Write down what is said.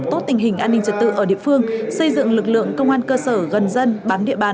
tốt tình hình an ninh trật tự ở địa phương xây dựng lực lượng công an cơ sở gần dân bám địa bàn